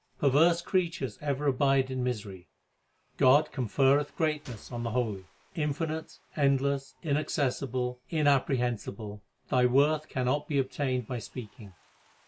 Perverse creatures ever abide in misery ; God conferreth greatness on the holy. Infinite, endless, inaccessible, inapprehensible, Thy worth cannot be obtained by speaking.